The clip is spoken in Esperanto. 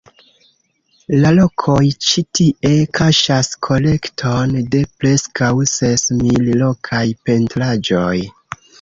La rokoj ĉi tie kaŝas kolekton de preskaŭ ses mil rokaj pentraĵoj.